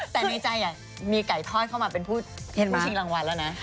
แต่ในใจมีไก่ทอดเข้ามาเป็นผู้ชิงรางวัลแล้วนะ